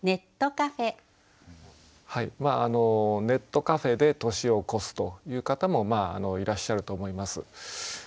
ネットカフェで年を越すという方もいらっしゃると思います。